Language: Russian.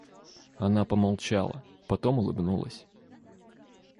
Она помолчала, потом улыбнулась.